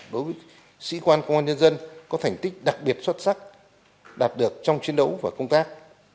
đối với sĩ quan công an nhân dân có thành tích đặc biệt xuất sắc đạt được trong chiến đấu và công tác